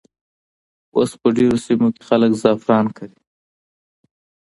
اوس په ډېرو سیمو کې خلک زعفران کري.